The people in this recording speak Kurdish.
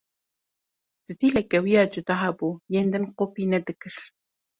Stîleke wî ya cuda hebû, yên din kopî nedikir.